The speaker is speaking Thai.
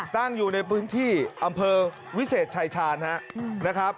ตั้งอยู่ในพื้นที่อำเภอวิเศษชายชาญนะครับ